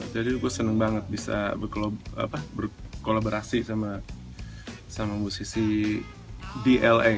jadi gue seneng banget bisa berkolaborasi sama musisi di la